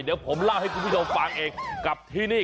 เดี๋ยวผมเล่าให้คุณผู้ชมฟังเองกับที่นี่